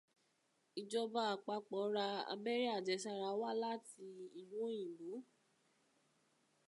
Ìjọba àpapọ̀ ra abẹ́rẹ́ àjẹsára wá láti ìlú òyìnbó.